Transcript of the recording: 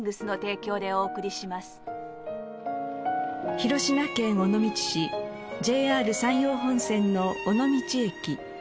広島県尾道市ＪＲ山陽本線の尾道駅。